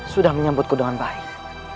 sudah menyambutku dengan baik